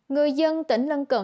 người dân tỉnh lân cận